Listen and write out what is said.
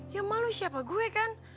yang malu siapa gue kan